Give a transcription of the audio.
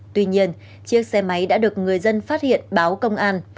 tuy nhiên chiếc xe máy đã được người dân phát hiện báo công an